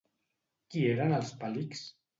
Qui eren els Palics?